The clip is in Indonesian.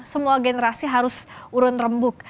semua generasi harus urun rembuk